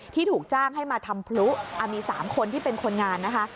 ถูกจ้างให้มาทำพลุมี๓คนที่เป็นคนงานนะคะ